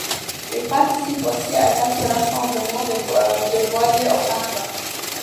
Il participe aussi à quelques rassemblements de voiliers au Canada.